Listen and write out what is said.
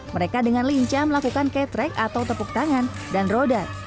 mereka dengan lincah melakukan ketreck atau tepuk tangan dan roda